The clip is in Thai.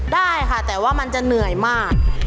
ได้ค่ะแต่ว่ามันจะเหนื่อยมาก